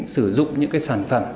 sử dụng những sản phẩm